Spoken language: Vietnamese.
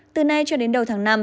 từ nay cho đến đầu tháng năm